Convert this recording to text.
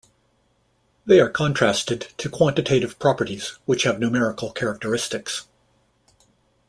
They are contrasted to quantitative properties which have numerical characteristics.